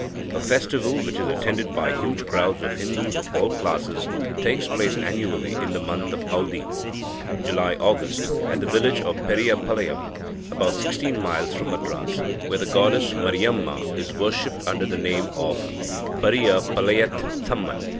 A festival, which is attended by huge crowds of Hindus of all classes, takes place annually in the month of Audi (July August) at the village of Periyapalayam, about sixteen miles from Madras, where the goddess Mariamma is worshipped under the name of Periyapalayaththamman.